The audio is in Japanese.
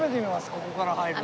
ここから入るの。